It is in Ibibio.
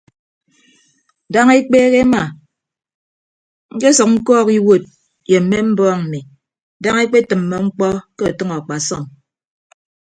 Daña ekpeehe ema ñkesʌk ñkọọk iwuod ye mme mbọọñ mmi daña ekpetʌmmọ mkpọ ke ọtʌñ akpasọm.